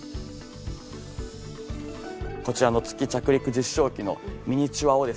こちらの月着陸実証機のミニチュアをですね